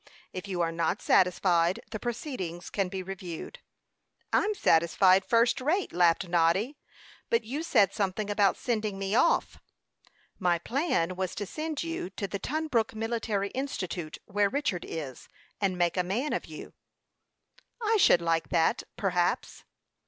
If you are not satisfied, the proceedings can be reviewed." "I'm satisfied first rate," laughed Noddy. "But you said something about sending me off." "My plan was to send you to the Tunbrook Military Institute, where Richard is, and make a man of you." "I should like that perhaps."